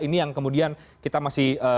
ini yang kemudian kita masih